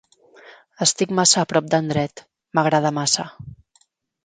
Estic massa a prop d'en Dredd, m'agrada massa.